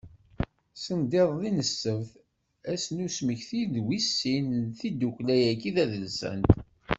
Sendiḍelli n ssebt, ass n usmekti wis sin n tiddukkla-agi tadelsant.